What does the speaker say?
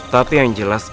tati yang jelas